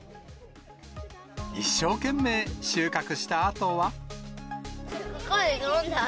一生懸命、収穫したあとは。